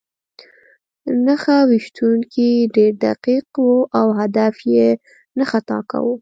نښه ویشتونکی ډېر دقیق و او هدف یې نه خطا کاوه